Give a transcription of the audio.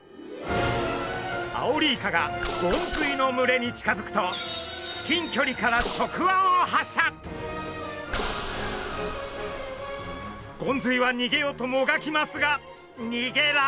アオリイカがゴンズイの群れに近づくと至近きょりからゴンズイは逃げようともがきますが逃げられません。